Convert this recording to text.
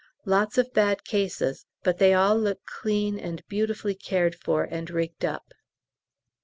Lots of bad cases, but they all look clean and beautifully cared for and rigged up.